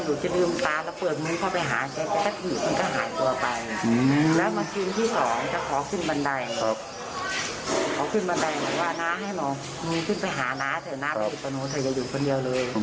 อย่างนี้เนอะตามความเล่าของจัยน้ำ